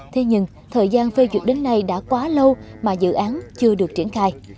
thế nhưng thời gian phê duyệt đến nay đã quá lâu mà dự án chưa được triển khai